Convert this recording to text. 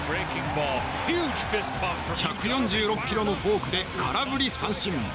１４６キロのフォークで空振り三振。